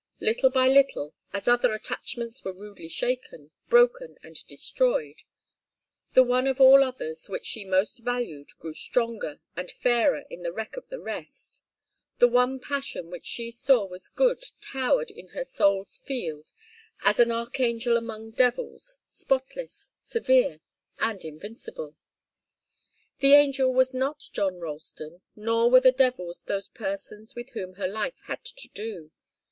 Little by little, as other attachments were rudely shaken, broken, and destroyed, the one of all others which she most valued grew stronger and fairer in the wreck of the rest; the one passion which she saw was good towered in her soul's field as an archangel among devils, spotless, severe, and invincible. The angel was not John Ralston, nor were the devils those persons with whom her life had to do.